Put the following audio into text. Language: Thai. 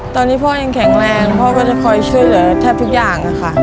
ตอนนี้พ่อยังแข็งแรงพ่อก็จะคอยช่วยเหลือแทบทุกอย่างค่ะ